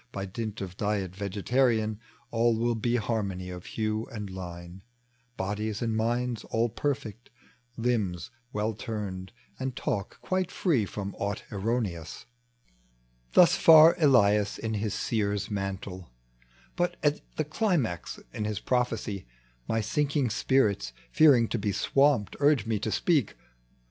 By dint of diet vegetarian All will be harmony of hue and line, Bodies and minds all perfect, limbs well turned, And talk quite free from aught e Thus far Elias in his seer's mantle ; But at this climax in his prophecy My sinking spirita, fearing to be swamped, Urge me to speak.